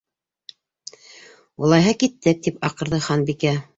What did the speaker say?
—Улайһа, киттек! —тип аҡырҙы Ханбикә.